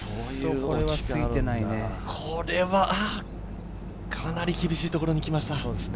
これはかなり厳しいところにきました。